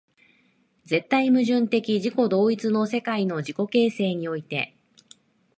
絶対矛盾的自己同一の世界の自己形成において、